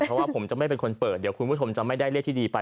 เพราะว่าผมจะไม่เป็นคนเปิดเดี๋ยวคุณผู้ชมจะไม่ได้เลขที่ดีไป